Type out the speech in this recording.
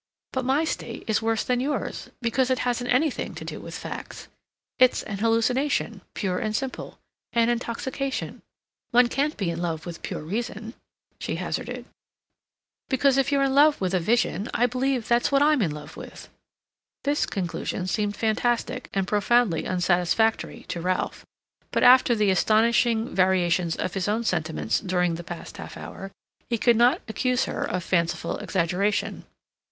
But my state is worse than yours, because it hasn't anything to do with facts. It's an hallucination, pure and simple—an intoxication.... One can be in love with pure reason?" she hazarded. "Because if you're in love with a vision, I believe that that's what I'm in love with." This conclusion seemed fantastic and profoundly unsatisfactory to Ralph, but after the astonishing variations of his own sentiments during the past half hour he could not accuse her of fanciful exaggeration.